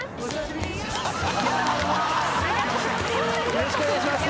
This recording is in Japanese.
よろしくお願いします。